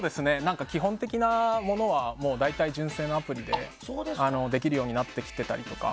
基本的なものは大体、純正のアプリでできるようになってきてたりとか。